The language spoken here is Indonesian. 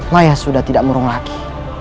maya sudah tidak murung lagi